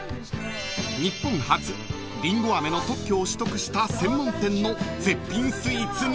［日本初りんご飴の特許を取得した専門店の絶品スイーツに］